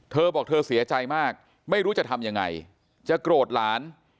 เธอบอกเธอเสียใจมากไม่รู้จะทำยังไงจะโกรธหลาน